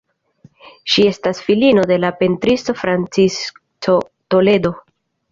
Ŝi estas filino de la pentristo Francisco Toledo.